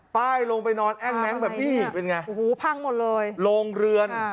ลงไปนอนแอ้งแม้งแบบนี้เป็นไงโอ้โหพังหมดเลยโรงเรือน